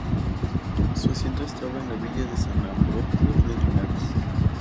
Su asiento estaba en la Villa de San Ambrosio de Linares.